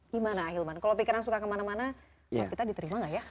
gimana hilman kalau pikiran suka kemana mana sholat kita diterima enggak ya